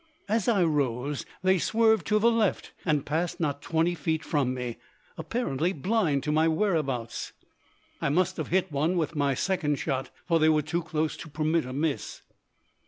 As I rose they swerved to the left and passed not twenty feet from me, apparently blind to my whereabouts. I must have hit one with my second shot, for they were too close to permit a miss.